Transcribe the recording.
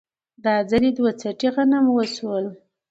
دا ځل دوه څټې غنم وشول